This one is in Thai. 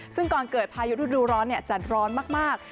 ซึ่งก่อนเกิดพายุฤดูร้อนจะร้อนมาก